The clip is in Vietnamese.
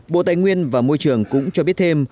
bộ tài nguyên và môi trường cũng cho biết thêm